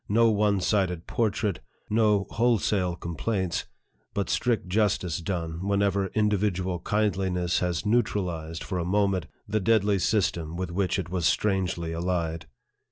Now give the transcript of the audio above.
No one sided portrait, no whole sale complaints, but strict justice done, whenever individual kindliness has neutralized, for a moment, the deadly system with which it was strangely allied.